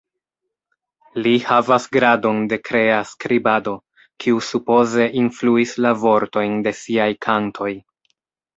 Li havas gradon de krea skribado, kiu supoze influis la vortojn de siaj kantoj.